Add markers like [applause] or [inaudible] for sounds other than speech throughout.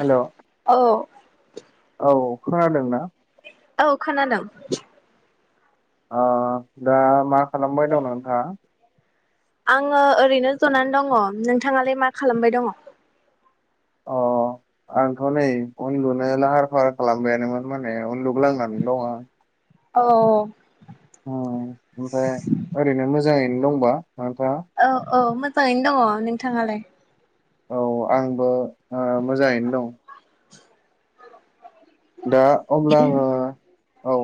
Hello औ औ। खोनादों ना। औ खोनादों। अ दा मा। खालामबाय दं नोंथाङा। आङो ओरैनो जनानै दङ' नोंथाङालाय मा खालामबाय दङ'। अ आंथ' नै उन्दुनो लाहार फाहार खालामबायानोमोन माने उन्दुग्लंनानै दं आं। औ। ओ ओमफ्राय ओरैनो मोजाङै। नो दंबा। नोंथाङा? औ औ मोजाङैनो दङ। नोंथाङालाय? औ आंबो ओ मोजाङैनो दं। दा अब्ला आङो औ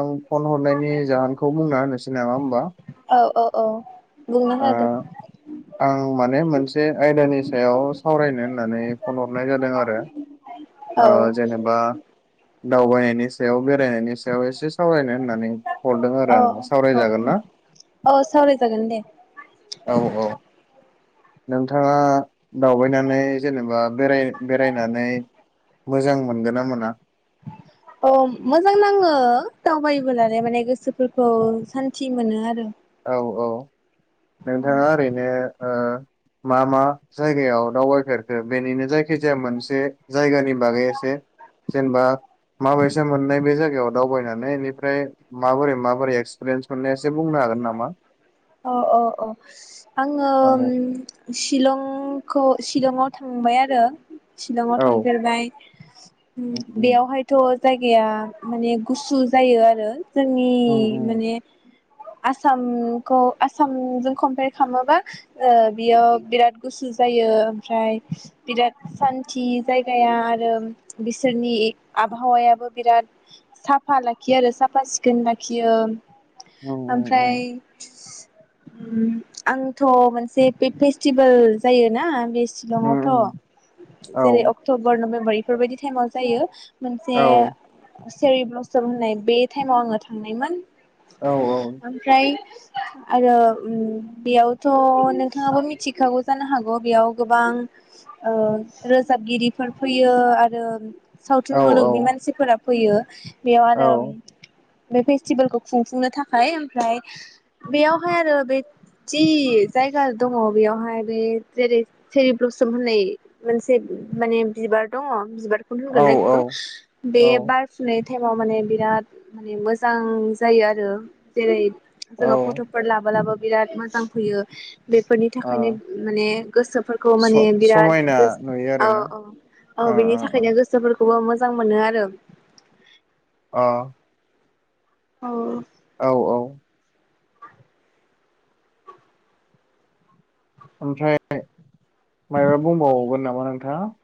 आं फन हरनायनि जाहोनखौ बुंना होनोसै नामा होमबा? औ औ औ। बुंना ओ हो दे आं माने मोनसे आयदानि सायाव सावरायनो होननानै फन हरनाय जादों आरो औ ओ जेनेबा। दावबायनायनि सायाव बे बेरायनायनि सायाव एसे सावरायनो होननानै हरदों औ आरो आं सावरायजागोन ना? औ सावरायजागोन दे औ औ नोंथाङा दावबायनानै जेनेबा बेराय बेरायनानै मोजां मोनगोन ना मोना? अ मोजां नाङो दावबायोबोला माने गोसोफोरखौ सान्थि मोनो आरो औ औ। नोंथाङा ओरैनो ओ। मा मा जायगायाव दावबायफेरखो बेनिनो जायखि जाया मोनसे जायगानि बागै एसे जेनेबा माबैसे मोननाय बे जायगायाव दावबायनानै बेनिफ्राय माबोरै माबोरै एक्सपिरेन्स मोननाया एसे बुंनो हागोन नामा? [inaudible] अ अ अ। आङो औ शिलं आंखौ शिलंआव थांबाय आरो शिलंआव औ थांफेरबाय उम उम बेयावहायथ' जायगाया माने गुसु जायो आरो। जोंनि उम माने आसाम औ आसामजों कमपयार खालामोबा बियाव बिराद गुसु जायो ओमफ्राय बिराद सान्थि जायगाया आरो बिसोरनि आबहावायाबो बिराद साफा लाखियो आरो साफा सिखोन लाखियो। उम उम ओमफ्राय आंथ' मोनसे बे फेस्टिभेल जायोना बे उम शिलंआवथ उम औ जेरै अक्टबर नभेम्बर बेफोरबायदि टाइमाव जायो। औ मोनसे सेरि ब्लसम होननाय बे टाइमाव आंङो थांनायमोन। औ ओमफ्राय आरो बेयावथ नोंथाङाबो मिथिखागौ जानो हागौ बेयाव गोबां रोजाबगिरिफोर फैयो आरो औ सावथुन मुलुगनि मानसिफोरा फैयो बेव औ आरो बे फेस्टिभेलखौ खुंफुंनो थाखाय ओमफ्राय बेयावहाय आरो बे जि जायगा दंङ बेयावहाय बे जेरै चेरि ब्लसोम होननाय मोनसे माने बिबार दंङ बिबार बेखौनो होनगोननाना औ ऐखौथबे बार फुनाय टाइमाव माने बिराद माने मोजां जायो आरो जेरै ज- औ फटफोर लाबोलाबो बिराद मोजां फैयो। बेफोरनि आ थाखायनो माने गोसोफोरखौ माने स- बिराद समायना नुयो औ आरोना औ औ ओ बिनि ओ थाखायनो गोसोफोरखौ खौबो मोजां मोनो आरो ओ औ औ औ ओमफ्राय मबा बुंबावावगोन नामा नोंथाङा?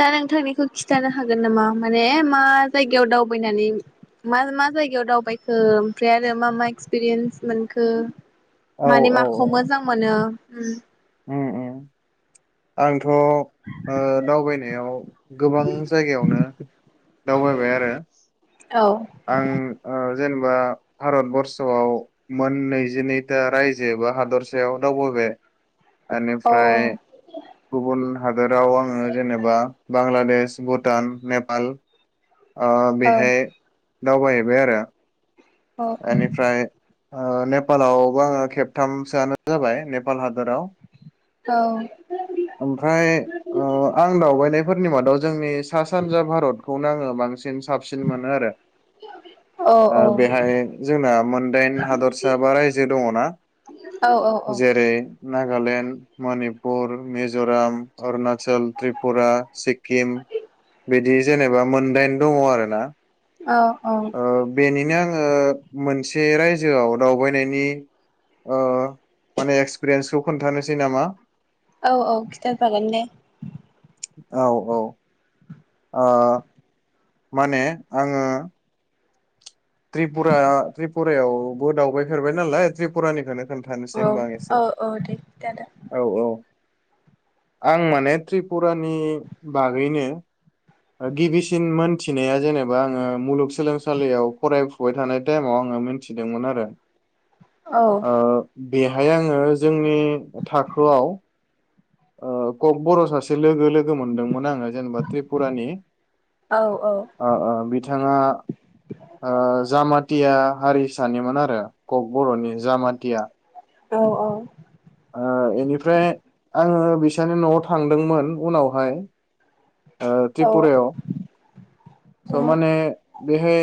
दा नोंथांनिखौ खिथानो हागोन नामा माने मा जायगायाव दावबायनानै मा मा जायगायाव दावबायखो ओमफ्राय आरो मा मा एक्सपिरियेन्स मोनखो? औ माने औ माखौ औ मोजां मोनो? उम उम उम आंथ ओ दावबायनायाव गोबां जायगायावनो दावबायबाय आरो। औ आं जेनेबा भारतबर्सआव मोन नैजिनैथा रायजो बा हादरसायाव दावबायबाय। औ बेनिफ्राय गुबुन हादराव आंङो जेनेबा बांलादेश भुटान नेपाल। आ औ बेहाय दावबायहैबाय आरो। औ एनिफ्राय ओ नेपालावबो आङो खेबथामसोआनो जाबाय नेपाल हादराव। औ ओमफ्राय ओ आं दावबायनायफोरनि मादाव जोंनि सा सानजा भारतखौनो आङो बांसिन साबसिन मोनो आरो ओ बेहाय जोंना मोनदाइन हादरसा बा रायजो दङना जेरै नागालेण्ड मनि मिज'राम अरुणाचल त्रिपुरा सिक्किम बिदि जेनेबा मोनदाइन दङ आरोना। औ औ नो आङो मोनसे रायजोआव दावबायनायनि ओ माने एक्सपिरियेन्सखौ खोनथानोसै नामा? औ औ खिथाजागोन दे। औ औ आ माने आङो त्रिपुरा त्रिपुरायावबो दावबायफेरबाय नालाय त्रिपुरानिखोनो औ औ औ दे दे आदा। औ औ आं माने त्रिपुरानि बागैनो गिबिसिन मोनथिनाया जेनेबा आङो मुलुगसोलोंसालियाव फरायफुबाय थानाय टाइमाव आङो मोनथिदोंमोन आरो। औ ओ बेहाय आङो जों नि थाखोआव ओ ककबर' सासे लोगो लो गो मोनदोंमोन आङो जेनेबा त्रिपुरानि औ ओ ओ बिथाङा ओ जामाथिया हारिसानिमोन आरो ककबर'नि जामाथिया। औ औ। ओ इनिफ्राय आङो बिसानि नवाव थांदोंमोन उनावहाय ओ औ त्रिपुरायाव। स' माने बेहाय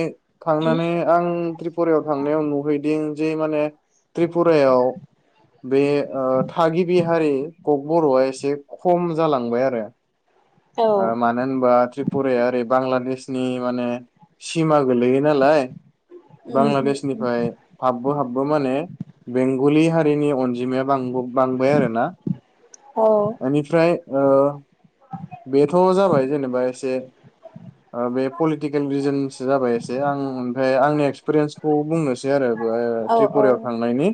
थांनानै आं त्रिपुरायाव थांनायाव नुहैदिं जे माने त्रिपुरायाव बे ओ थागिबि हारि ककबर'आ एसे खम जालांबाय आरो औ ओ मानो होनबा त्रिपुराया ओरै बांलादेश नि माने सिमा गोलैयो नालाय। उम उम उम बांलादेशनिफ्राय हाबबो हाबबो माने बेंगलि हारिनि अनजिमाया बांबो बांबाय आरोना। औ एनिफ्राय ओ [inaudible] बेथ' जाबाय जेनेबा एसे ओ बे पलिटिकेल रिजोनसो जाबाय एसे आं ओमफ्राय आंनि एक्सपिरियेन्सखौ बुंनोसै आरो। ओ औ त्रिपुरायाव औ थांनायनि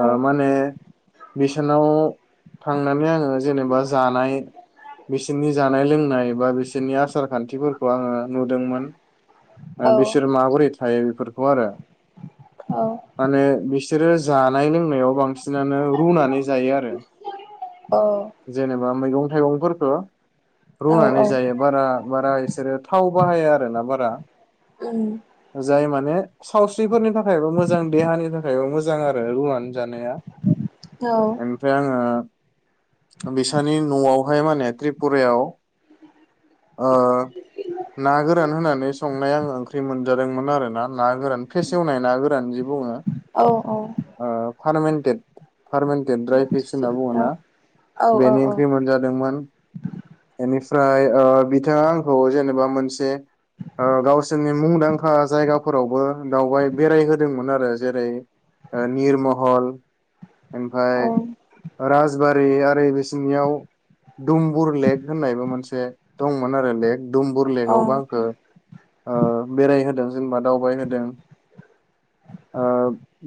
ओ माने बिसानाव थांनानै आङो जेनोबा जानाय बिसोरनि जानाय लोंनाय बा बिसोरनि आसार खान्थिफोरखौ आङो नुदोंमोन ओ औ बिसोर माबोरै थायो बेफोर खौ आरो। औ माने बिस सोरो जानाय लोंनायाव‌ बांसिनानो रूनानै जायो आरो औ जेनोबा मैगं थायगं फोरखौ औ रुनानै जायो बारा बारा इसोरो थाव बाहाया आरोना बारा। उम जाय माने सावस्रिफोरनि थाखायबा मोजां देहानि थाखायबा मोजां आरो रुवानि जानाया। औ ओमफ्राय आङो बिसानि न'आव ओहाय माने त्रिपुरायाव ओ ना गोरान होनानै संनाया आङो फ्रि मोनजादोंमोन आरो ना, ना गोरान फेसेवनाय ना गोरान बिजि बुङो औ औ। ओ फारमेन्टेड पारमानेन्टेड ड्राय फिस होनना बुङो ना? औ औ औ बेनि ओंख्रि मोनजा दोंमोन। बेनिफ्राय ओ बिथाङा आंखौ जेनोबा मोनसे ओ गावसोरनि मुंदांखा जायगाफोरावबो दावबाय बेरायहोदोंमोन आरो जेरै ओ निरमहल ओमफाय राजबारि आर फ्राय बेसोरनियाव दुमबुर लेक होननायबो मोनसे दंमोन आरो लेक दुमबुर लेकावबो आंखो औ औ ओ बेरायहोदों। जेनोबा दावबायहोदों, ओ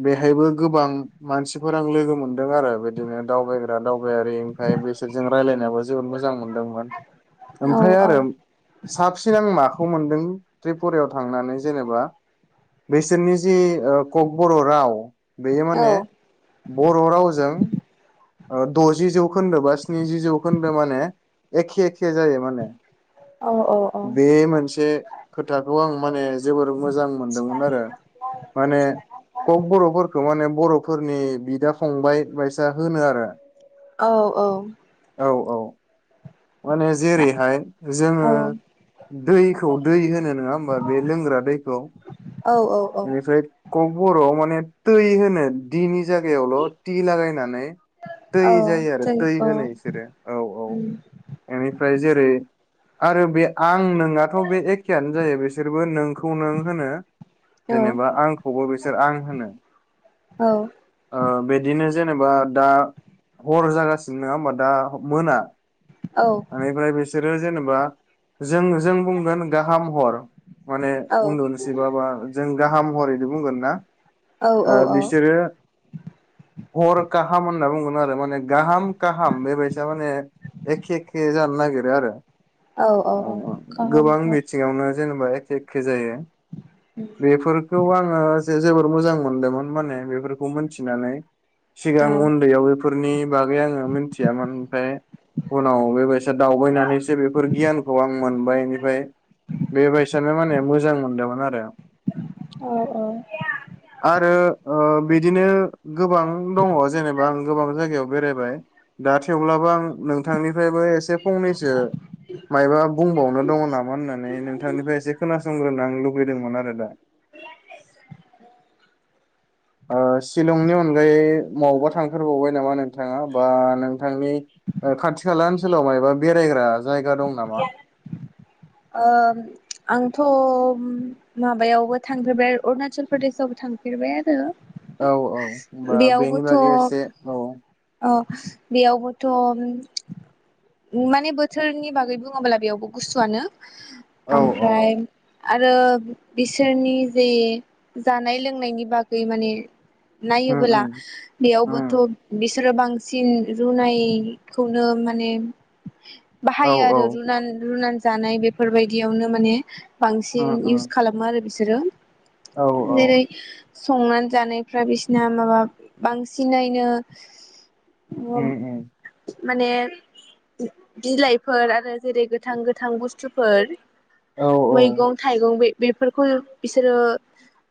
बेहायबो गोबां मानसिफोर आं लोगो मोनदों आरो बिदिनो दावबायग्रा दावबायारि ओमफ्राय बिसोर जों रायलायनायावबो जोबोद मोजां मोन दोंमोन। औ ओमफाय औ आरो साबसिन आङो मा खौ मोनदों त्रिपुरायाव थांनानै जेनोबा बैसोरनि जि ओ ककबर'क राव बेयो माने जों बर' रावजों ओ द'जि जौखोन्दो बा स्निजि जौखोन्दो माने एखे एखे जायो माने। औ बे मोनसे खोथाखौ आं माने जोबोर मोजां मोनदोंमोन आरो माने क'क बर'फोरखौ माने बर' फोरनि बिदा फंबाय बायसा होनो आरो। औ औ। औ माने जेरैहाय जोङो दैखौ दै होनो नोङा होमबा बे लोंग्रा दैखौ औ बेनिफ्राय क'क बर'आव माने दै होनो दिनि जागायावल' टि लागायनानै दै जायो आरो दै होनो इसोरो औ औ एनिफ्राय जेरै आरो बे आं नोंङाथ' बे एखेयानो जायो बिसोरबो नोंखौ नों होनो जेनेबा आंखौबो बिसोर आं होनो ओ बिदिनो जेनेबा दा हर जागासिनो नङा होमबा दा मोना ओनिफ्राय बेसोर नो जेनेबा जों जों बुंगोन गाहाम हर माने उन्दुनोसै बा-बा जों गाहाम महरैनो बुंगोन ना औ ओ बिसोरो हर काहाम होनना बुंगोन आरो माने गाहाम काहाम बेबायसा माने एखे इदि जानो नागिरो आरो औ अ औ अ गाहाम गोबां हर बिथिङावनो जेनेबा एखे-एखे जायो बेफोरखौ आङो जे जोबोर मोजां मोनदोंमोन माने बेफोरखौ मोनथिनानै सिगां उन्दैयाव बेफोरनि बागै आङो मोनथियामोन ओमफ्राय उनाव बे बायसा दावबायनानैसो बेफोर गियानखौ आं मोनबाय एनिफ्राय बेबायसानो माने मोजां मोन दोमोन आरो औ आरो ओ बिदिनो गोबां दङ जेनेबा आं गोबां जायगायाव बेरायबाय दा थेवब्लाबो आं नों थांनिफ्रायबो से फंनैसो मायबा बुंबावनो दङ नामा होननानै नोंथांनिफ्राय एसे खोनासंग्रोन आं लु बैदोंमोन आरो दा ओ सि लंनि अनगायै बबावबा थांथारबावबाय नामा नोंथाङा बा नोंथांनि खाथि खाला ओनसोलाव मायबा बेरायग्रा जायगा दं नामा ओ आंथ' माबायावबो थांफेरबाय अरुणाचल प्रदेशआवबो थांफेरबाय आरो औ औ होनबा बेनि बेयावबोथ' बागै एसे औ अ बेयावबोथ' माने बोथोरनि बागै बुङोब्ला बेयावबो गुसुआनो औ औ ओमफ्राय आरो बिसोरनि जे जानाय लोंनायनि बागै माने उम नायोबोला उम बेयावबोथ' उम बि सोरो बांसिन रुनायखौनो माने औ बाहायो औ आरो रुनान-रुनान जानाय बेफोरबायदियावनो माने बांसिन उम इउस उम खालामो आरो बिसो रो। औ औ जेरै संनानै जानायफ्रा बिसिना माबा बांसिनैनो उम उ। माने बिलाइफोर आरो जेरै गोथां गोथां बुस्थुफोर औ मैगं थाइगं बै बेफोरखौ बिसोरो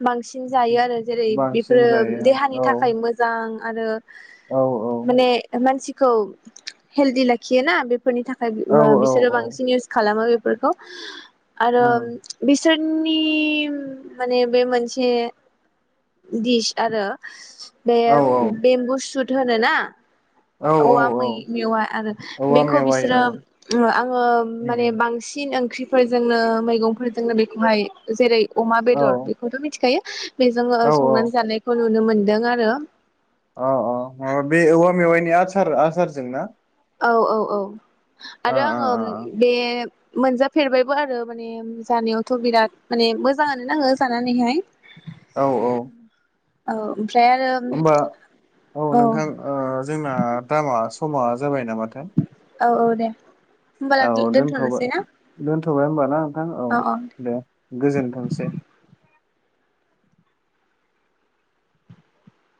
बांसिन जायो आरो जेरै बांसिन बेफोरो देहानि जायो औ थाखाय मोजां। आरो। औ माने मानसि खौ हेलडि लाखियो ना बे फोरनि थाखाय औ बि औ सोरो औ बांसिन इउस खालामो बेफोरखौ। आरो उम बि सोरनि माने बे मोनसे दिस आरो बे औ बेम्बुसुद धोनोना औ औवा मै औ मेवा आरो औवा बेखौ मेवाइ बिसोरो औ उम ओ आङो माने उम, बांसिन ओंख्रिफोरजोंनो मैगंफोरजोंनो बेखौहाय जेरै अमा औ बेदर बेखौथ' मिथिखायो। बेजों औ औ संनानै जानायखौ नुनो मोनदों आरो। अ अ अ बे औवा मेवाइनि आसार आसारजों ना। औ-औ-औ। ओ आरो आङो बे मोनजाफेरबायबो आरो माने जानायावथ' बिराद माने मोजाङानो नाङो जानानैहाय। ओ औ औ औ। ओमफ्राय आरो होमबा औ नोंथां ओ जोंना थामा स समा जाबाय नामाथाय? औ-औ दे। होमबाला दोनथ'नोसै ना। थबाय होमब ना। आं औ दे गोजोनथोंसै।